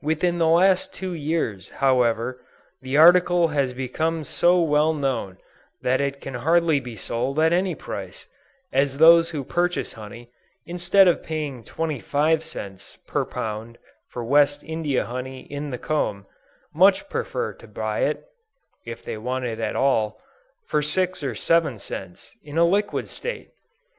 Within the last two years, however, the article has become so well known that it can hardly be sold at any price; as those who purchase honey, instead of paying 25 cents per pound for West India honey in the comb, much prefer to buy it, (if they want it at all,) for 6 or 7 cents, in a liquid state!